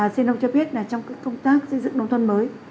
xin ông cho biết trong công tác xây dựng nông thôn mới